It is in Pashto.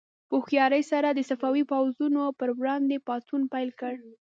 په هوښیارۍ سره یې د صفوي پوځونو پر وړاندې پاڅون پیل کړ.